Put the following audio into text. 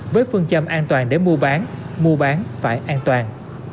với phương châm an toàn để mua bán mua bán phải an toàn